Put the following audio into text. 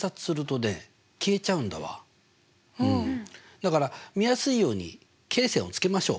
だから見やすいように罫線をつけましょう。